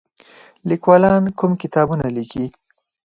لیکوالان کوم کتابونه لیکي؟